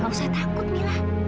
gak usah takut mila